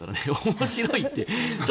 面白いって。